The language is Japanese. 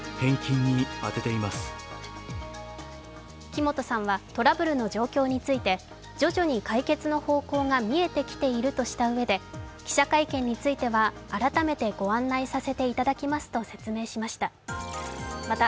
木本さんはトラブルの状況について、徐々に解決の方向が見えてきているとしたうえで、記者会見については、改めて御案内させていただきますと説明しました。